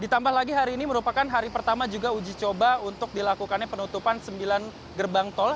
ditambah lagi hari ini merupakan hari pertama juga uji coba untuk dilakukannya penutupan sembilan gerbang tol